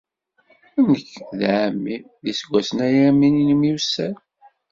Nekk d εemmi-m, d iseggasen-aya mi nemyussan.